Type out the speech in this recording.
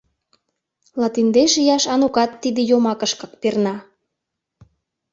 Латиндеш ияш Анукат тиде «йомакышкак» перна.